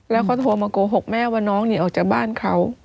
แล้วเขาโทรมาโกหกแม่ว่าน้องหนีออกจากบ้านเขา